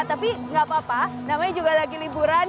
tapi gak apa apa namanya juga lagi liburan